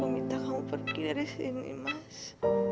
aku minta kamu pergi dari sini mas